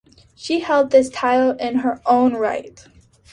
She held this title in her own right.